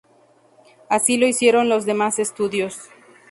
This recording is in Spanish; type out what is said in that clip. Así lo hicieron los demás estudios.